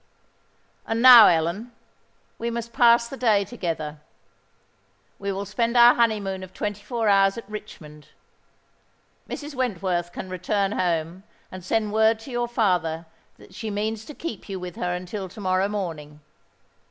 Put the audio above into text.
"And now, Ellen, we must pass the day together. We will spend our honeymoon of twenty four hours at Richmond. Mrs. Wentworth can return home, and send word to your father that she means to keep you with her until to morrow morning."